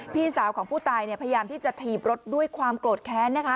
พี่สาวของผู้ตายพยายามที่จะถีบรถด้วยความโกรธแค้นนะคะ